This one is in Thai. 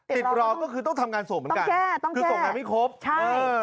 ติดรอก็คือต้องทำงานส่งเหมือนกันคือส่งงานไม่ครบใช่เออ